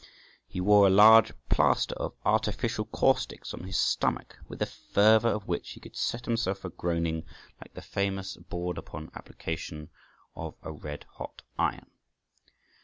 He wore a large plaister of artificial caustics on his stomach, with the fervour of which he could set himself a groaning like the famous board upon application of a red hot iron.